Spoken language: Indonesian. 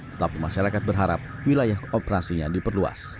tetapi masyarakat berharap wilayah operasinya diperluas